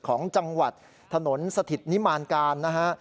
ของจังหวัดถนนสถิตนิมานการนะฮะ